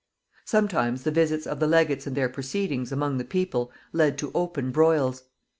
Sometimes the visits of the legates and their proceedings among the people led to open broils.